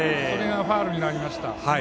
それがファウルになりました。